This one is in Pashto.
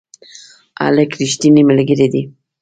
هلک رښتینی ملګری دی.